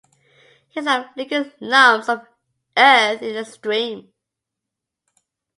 He sat flinging lumps of earth in the stream.